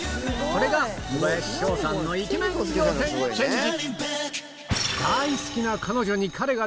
これが小林奨さんのイケメン仰天チェンジ